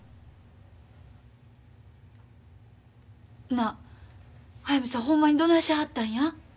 なあ速水さんほんまにどないしはったんや？